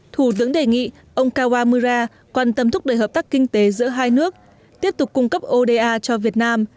thủ tướng đề nghị ông kawa mura quan tâm thúc đẩy hợp tác kinh tế giữa hai nước tiếp tục cung cấp oda cho việt nam